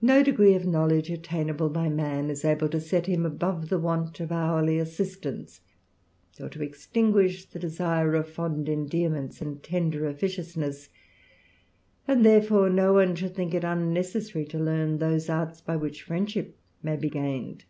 No degree of knowledge attainable by man is able ^^ set him above the want of hourly assistance, or to Extinguish the desire of fond endearments, and tender ^fficiousness; and therefore, no one should think it un '^Ecessary to leam those arts by which friendship may be Stifled.